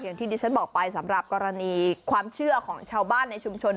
อย่างที่ดิฉันบอกไปสำหรับกรณีความเชื่อของชาวบ้านในชุมชน